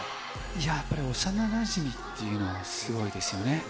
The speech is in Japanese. いや、やっぱり幼なじみっていうのはすごいですね。